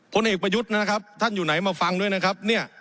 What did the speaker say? คนเอกมายุทธ์นะครับท่านอยู่ไหนมาฟังด้วยนะครับ